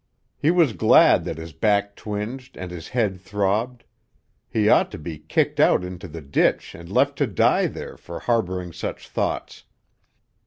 He was glad that his back twinged and his head throbbed; he ought to be kicked out into the ditch and left to die there for harboring such thoughts.